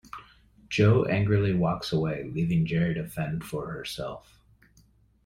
Joe angrily walks away, leaving Gerry to fend for herself.